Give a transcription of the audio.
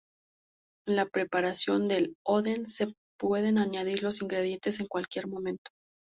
En la preparación del "oden", se puede añadir los ingredientes en cualquier momento.